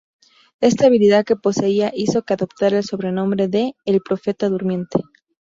Esta habilidad que poseía hizo que adoptara el sobrenombre de "El Profeta Durmiente".